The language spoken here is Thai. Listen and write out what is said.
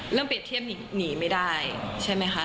เปรียบเทียบหนีไม่ได้ใช่ไหมคะ